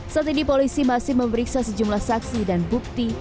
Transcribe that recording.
satu di polisi masih memeriksa sejumlah saksi dan bukti